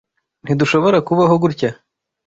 Ntidushobora kubaho gutya.